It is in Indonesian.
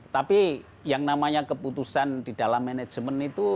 tapi yang namanya keputusan di dalam manajemen itu